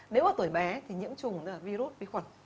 nếu ở tuổi bé thì nhiễm trùng virus vi khuẩn